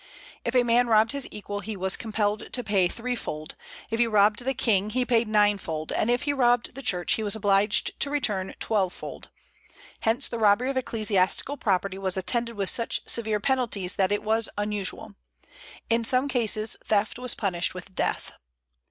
If a man robbed his equal, he was compelled to pay threefold; if he robbed the king, he paid ninefold; and if he robbed the church, he was obliged to return twelvefold: hence the robbery of ecclesiastical property was attended with such severe penalties that it was unusual. In some cases theft was punished with death.